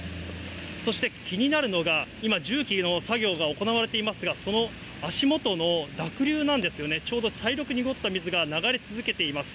そして気になるのが、今、重機の作業が行われていますが、その足元の濁流なんですよね、ちょうど茶色く濁った水が流れ続けています。